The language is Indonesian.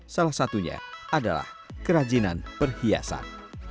salah satunya adalah kerajinan perhiasan